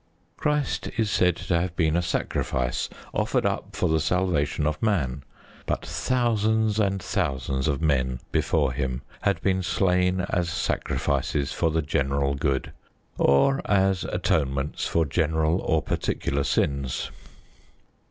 Christ is said to have been a sacrifice offered up for the salvation of man. But thousands and thousands of men before Him had been slain as sacrifices for the general good, or as atonements for general or particular sins.